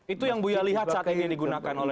itu yang bu ya lihat saat ini yang digunakan oleh